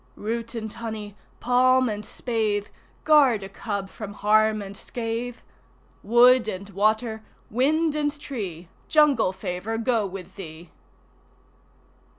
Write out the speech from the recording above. (Root and honey, palm and spathe, Guard a cub from harm and scathe!) Wood and Water, Wind and Tree, Jungle Favour go with thee!